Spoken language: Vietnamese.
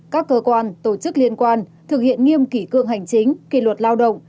các cơ quan tổ chức liên quan thực hiện nghiêm kỷ cương hành chính kỷ luật lao động